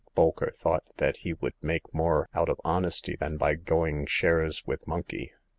Bolker thought that he would make more out of honesty than by going shares with Monkey.